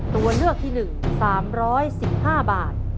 ตัวเลือกที่๑๓๑๕บาท